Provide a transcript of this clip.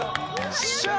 よっしゃー！